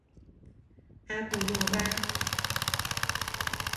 阿布诺巴。